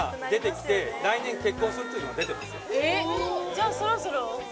じゃあそろそろ？